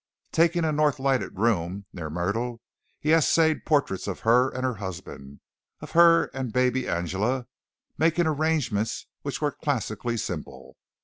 Taking a north lighted room near Myrtle he essayed portraits of her and her husband, of her and baby Angela, making arrangements which were classically simple.